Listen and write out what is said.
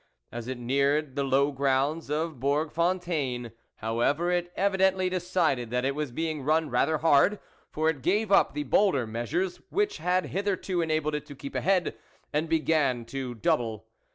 As it neared the low grounds of Bourg f on taine, however, it evidently decided that it was being run rather hard, for it gave up the bolder measures which had hitherto enabled it to keep ahead, and began to double.